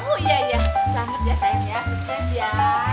oh iya iya selamat ya sayang ya sukses ya